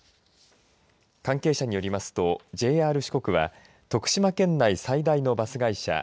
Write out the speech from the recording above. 関係者によりますとＪＲ四国は徳島県内最大のバス会社